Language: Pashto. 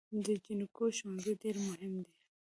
د جینکو ښوونځي ډیر مهم دی